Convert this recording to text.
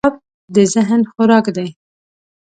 کتاب د ذهن خوراک دی.